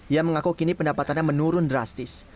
ia mengaku kini pendapatannya menurun drastis